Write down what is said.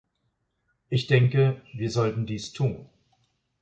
Ich denke, wir sollten dies tun.